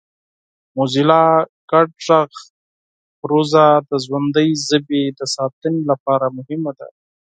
موزیلا ګډ غږ پروژه د ژوندۍ ژبې د ساتنې لپاره مهمه ده.